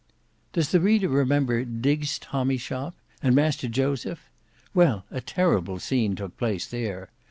Does the reader remember Diggs' tommy shop? And Master Joseph? Well a terrible scene took place there.